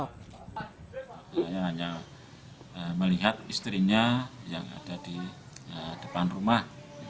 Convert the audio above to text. saya hanya melihat istrinya yang ada di depan rumah